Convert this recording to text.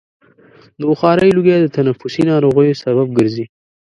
د بخارۍ لوګی د تنفسي ناروغیو سبب ګرځي.